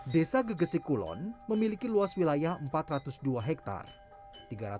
desa gegesik kulon memiliki luas wilayah empat ratus dua hektare